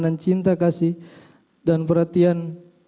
dan cinta kasih dan perhatian